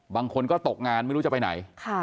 บางคนก็ตกงานไม่รู้จะไปไหน